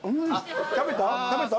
食べた？